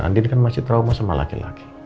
andin kan masih trauma sama laki laki